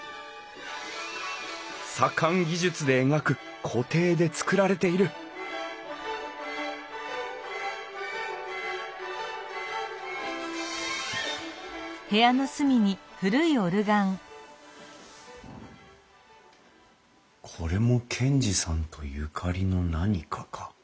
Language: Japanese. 左官技術で描く鏝絵で作られているこれも賢治さんとゆかりの何かか？